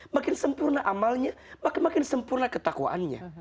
makin sempurna amalnya makin sempurna ketakwaannya